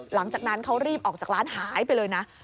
หลังจากนั้นเขารีบออกจากร้านหายไปเลยนะ